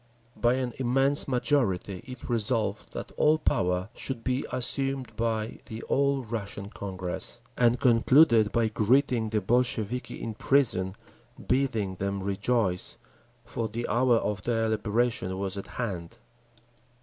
By an immense majority it resolved that all power should be assumed by the All Russian Congress; and concluded by greeting the Bolsheviki in prison, bidding them rejoice, for the hour of their liberation was at hand.